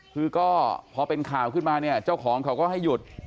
คือก็พอเป็นข่าวขึ้นมาเนี่ยเจ้าของเขาก็ให้หยุด